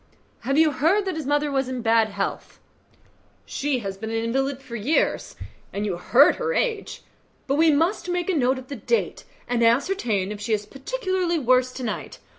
"Have you heard that his mother is in bad health?" "She has been an invalid for years, and you heard her age; but we must make a note of the date, and ascertain if she is particularly worse to night.